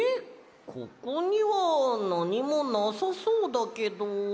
ここにはなにもなさそうだけど。